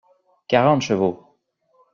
Quarante chevaux.